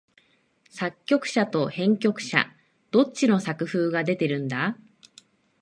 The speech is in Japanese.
作曲者と編曲者、どっちの作風が出てるんだ？